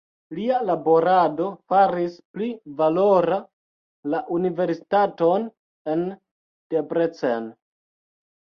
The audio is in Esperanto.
Lia laborado faris pli valora la universitaton en Debrecen.